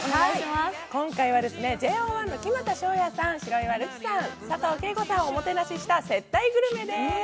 今回はＪＯ１の木全翔也さん、白岩瑠姫さん、佐藤景瑚さんをおもてなしした接待グルメでーす。